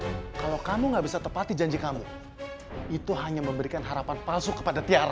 ayo kalau kamu gak bisa tepati janji kamu itu hanya memberikan harapan palsu kepada tiara